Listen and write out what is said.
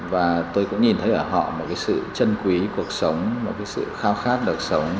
và tôi cũng nhìn thấy ở họ một cái sự chân quý cuộc sống một cái sự khao khát đời sống